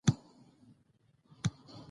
د قوشتېپې کانال په زراعت کې انقلاب راولي.